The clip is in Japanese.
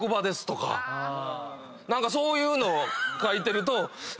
何かそういうの書いてると。